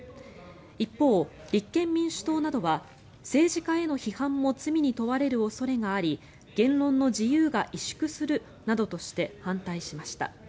一方、立憲民主党などは政治家への批判も罪に問われる恐れがあり言論の自由が萎縮するなどとして反対しました。